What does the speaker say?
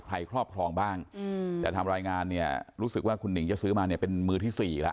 ครอบครองบ้างแต่ทำรายงานเนี่ยรู้สึกว่าคุณหนิงจะซื้อมาเนี่ยเป็นมือที่๔แล้ว